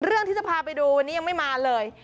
เรื่องที่จะพาไปดูวันนี้ยังไม่มาเลย